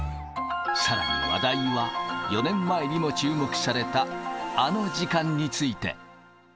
さらに、話題は４年前にも注目されたあの時間について。